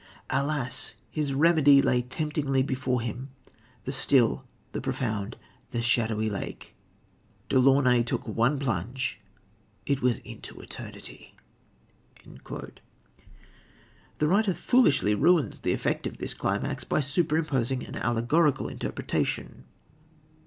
Alas! his remedy lay temptingly before him, the still, the profound, the shadowy lake. De Launaye took one plunge it was into eternity." The writer foolishly ruins the effect of this climax by super imposing an allegorical interpretation.